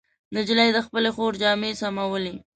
نجلۍ د خپلې خور جامې سمولې.